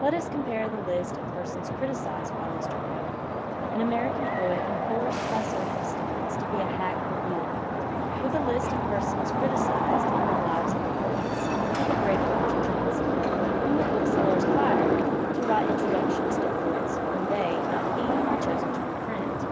Let us compare the list of persons criticised by Mr. Poe, an American poet enforced by circumstance to be a hack re viewer, with the list of persons criticised in "Lives of the Poets" by the great Doctor Johnson, whom the booksellers hired to write introductions to poets whom they, not he, had chosen to reprint.